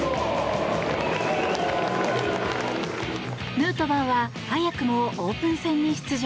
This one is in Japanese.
ヌートバーは早くもオープン戦に出場。